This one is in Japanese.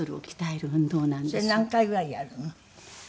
それ何回ぐらいやるの？